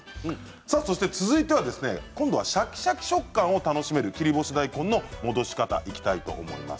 続いてはシャキシャキ食感を楽しめる切り干し大根の戻し方にいきたいと思います。